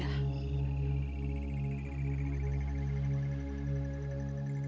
tidak ada yang bisa ibu lakukan